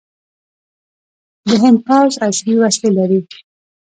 د هند پوځ عصري وسلې لري.